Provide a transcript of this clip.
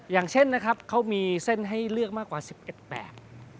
อย่างเช่นนะครับเขามีเส้นให้เลือกมากกว่า๑๑แบบ